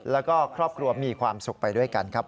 แล้วก็ครอบครัวมีความสุขไปด้วยกันครับ